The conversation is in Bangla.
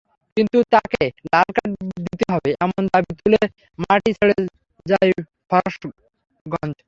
কিন্তু তাঁকে লাল কার্ড দিতে হবে—এমন দাবি তুলে মাঠই ছেড়ে যায় ফরাশগঞ্জ।